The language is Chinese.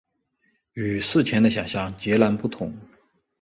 与事前的想像截然不同